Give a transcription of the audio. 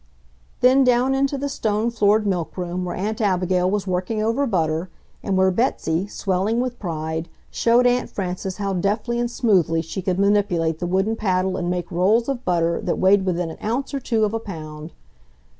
Then down into the stone floored milk room, where Aunt Abigail was working over butter, and where Betsy, swelling with pride, showed Aunt Frances how deftly and smoothly she could manipulate the wooden paddle and make rolls of butter that weighed within an ounce or two of a pound.